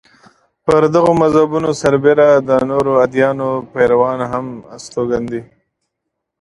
پر دغو مذهبونو سربېره د نورو ادیانو پیروان هم استوګن دي.